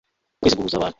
ukwezi guhuza abantu